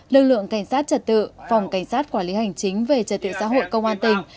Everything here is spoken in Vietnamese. lực lượng cảnh sát trật tự phòng cảnh sát quản lý hành chính về trật tự xã hội công an tỉnh